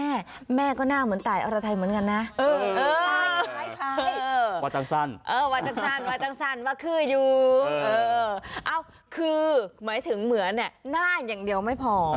หมายคือหมายถึงเหมือนเนี่ยหน้าอย่างเดียวไม่พอ